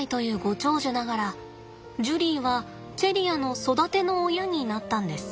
長寿ながらジュリーはチェリアの育ての親になったんです。